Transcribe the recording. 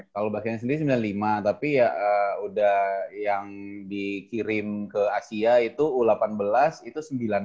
kalau bakennya sendiri sembilan puluh lima tapi ya udah yang dikirim ke asia itu u delapan belas itu sembilan puluh